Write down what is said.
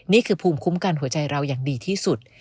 นี่คือภูมิคุ้มกันหัวใจเราอย่างดีที่สุด